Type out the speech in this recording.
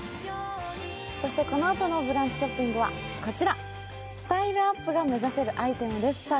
このあとのブランチショッピングはこちら、スタイルアップが目指せるアイテムです。